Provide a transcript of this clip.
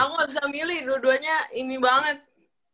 aku bisa milih dua duanya ini banget